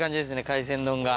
海鮮丼が。